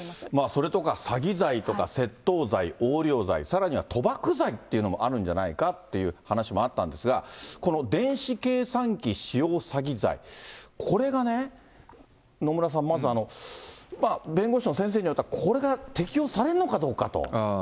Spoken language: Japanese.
それとか詐欺罪とか、窃盗罪、横領罪、さらには賭博罪というのもあるんじゃないかという話もあったんですが、この電子計算機使用詐欺罪、これがね、野村さん、まず、弁護士の先生に聞いたら、これが適用されるのかどうかと。